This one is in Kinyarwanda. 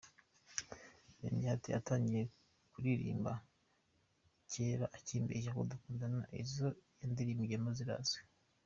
Yongeraho ati “Yatangiye kundirimba kera akimbeshya ko dukundana, izo yandirimbyemo zirazwi.